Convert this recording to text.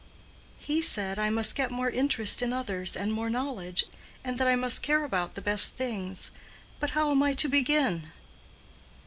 "He said, I must get more interest in others, and more knowledge, and that I must care about the best things—but how am I to begin?"